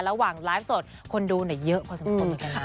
ระหว่างไลฟ์สดคนดูเหนือเยอะกว่าสมมติเหมือนกัน